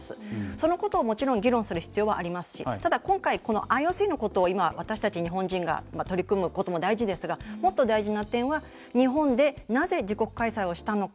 そのことをもちろん議論する必要はありますし今回、ＩＯＣのことを私たち日本人が取り組むことも大事ですがもっと大事な点は日本でなぜ自国開催をしたのか。